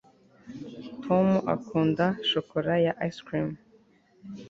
tom akunda shokora ya ice cream